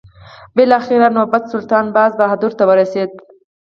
بالاخره نوبت سلطان باز بهادر ته ورسېد.